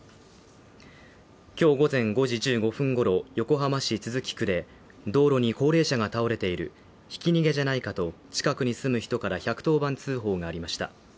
今日午前５時１５分ごろ横浜市都筑区で、道路に高齢者が倒れている、ひき逃げじゃないかと、近くに住む人から１１０番通報がありました。